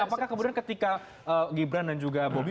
apakah kemudian ketika gibran dan juga bobi